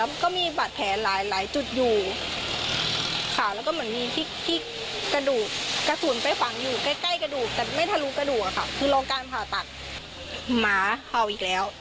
ไม่ทะลุกระดูกค่ะคือโรงการผ่าตัดห่าวอีกแล้ว